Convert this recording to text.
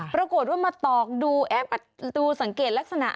ปรากฏว่ามาตอกดูแอบอัดดูสังเกตลักษณะ